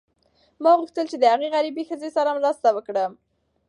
ما غوښتل چې د هغې غریبې ښځې سره مرسته وکړم.